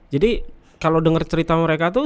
jadi kalau denger cerita mereka tuh